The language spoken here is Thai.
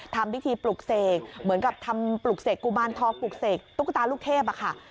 ทำพิธีปลุกเสกเหมือนกับทำปลุกเสกกุมารทองปลูกเสกตุ๊กตาลูกเทพอะค่ะ